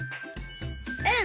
うん。